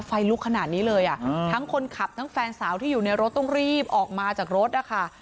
ไฟลุกขนาดนี้เลยอ่ะทั้งคนขับทั้งแฟนสาวที่อยู่ในรถต้องรีบออกมาจากรถนะคะ